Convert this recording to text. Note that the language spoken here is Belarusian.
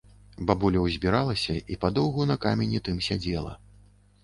Бабуля ўзбіралася і падоўгу на камені тым сядзела.